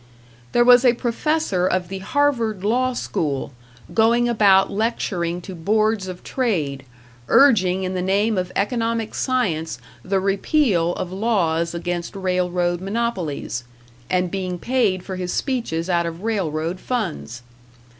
There was a professor of the Harvard Law School, going about lecturing to boards of trade, urging in the name of economic science the repeal of laws against railroad monopolies and being paid for his speeches out of railroad funds!